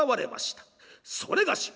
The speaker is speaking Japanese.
それがし